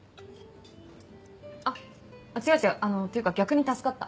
あっ違う違うていうか逆に助かった。